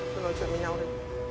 cứ nói chuyện với nhau đi